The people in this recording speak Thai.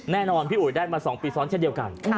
แน่นอนพี่อุ๋ยได้มา๒ปีซ้อนเช่นเดียวกัน